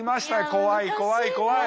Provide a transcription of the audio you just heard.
怖い怖い怖い。